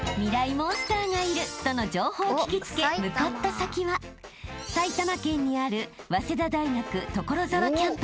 モンスターがいるとの情報を聞き付け向かった先は埼玉県にある］